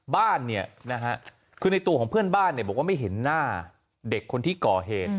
บ้านเนี่ยนะฮะคือในตัวของเพื่อนบ้านบอกว่าไม่เห็นหน้าเด็กคนที่ก่อเหตุ